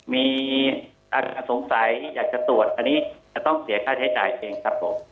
มีสงสัยอยากจะตรวจอันนี้จะต้องเสียค่าใช้จ่ายเองครับผม